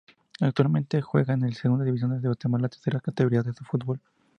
Actualmente juega en la Segunda División de Guatemala, tercera categoría de su fútbol.